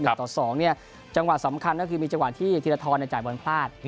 อีกต่อสองจังหวะสำคัญก็คือมีจังหวะที่ธิรฐรในจ่ายบอลพลาด